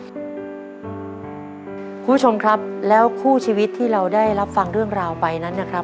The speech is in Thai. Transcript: คุณผู้ชมครับแล้วคู่ชีวิตที่เราได้รับฟังเรื่องราวไปนั้นนะครับ